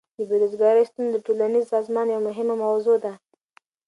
د بیروزګاری ستونزه د ټولنیز سازمان یوه مهمه موضوع ده.